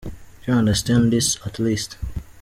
Do you understand this at least?.